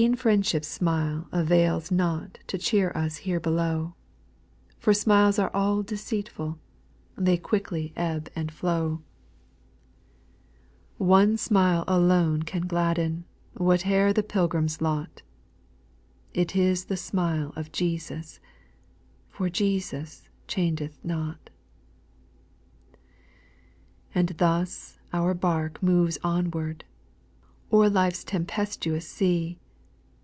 4. E'en friendship's smile avails not To cheer us here below, "For smiles are all deceWixA, They quickly ebb aad ^orw \ IGO SPIRITUAL SO NO 8, One smile alone can gladden, Whatever the pilgrim's lot, It is the smile of Jesus, — For Jesus changeth not. 6. And thus our bark moves onward. O'er life's tempestuous sea.